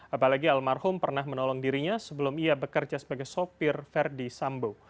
apalagi almarhum pernah menolong dirinya sebelum ia bekerja sebagai sopir verdi sambo